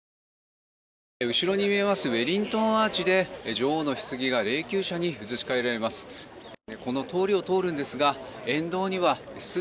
後ろに見えますウェリントン・アーチで女王のひつぎが霊柩車に移し替えられます。